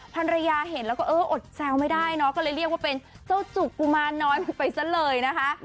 ภรรยาเห็นแล้วก็เอออดแซวไม่ได้เนอะก็เลยเรียกว่าเป็นเจ้าจุกกุมารน้อยไปซะเลยนะคะ